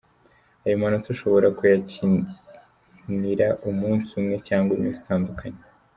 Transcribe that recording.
Ayo manota ushobora kuyakinira umunsi umwe cyangwa iminsi itandukanye.